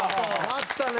なったね！